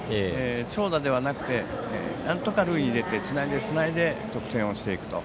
長打ではなくてなんとか塁に出てつないで、つないで得点をしていくと。